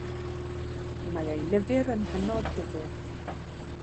Mae ei lyfr yn hynod ddifyr.